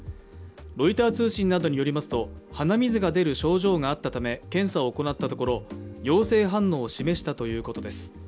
ロイター通信などによりますと、鼻水が出る症状があったため検査を行ったところ、陽性反応を示したということです。